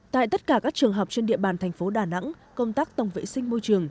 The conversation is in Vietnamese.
tại tất cả các trường học trên địa bàn thành phố đà nẵng công tác tổng vệ sinh môi trường